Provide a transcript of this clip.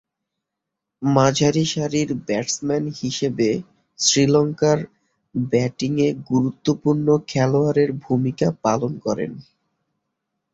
মাঝারিসারির batsman হিসেবে শ্রীলঙ্কার ব্যাটিংয়ে গুরুত্বপূর্ণ খেলোয়াড়ের ভূমিকা পালন করেন।